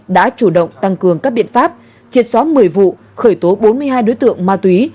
đã chủ động tăng cường các biện pháp triệt xóa một mươi vụ khởi tố bốn mươi hai đối tượng ma túy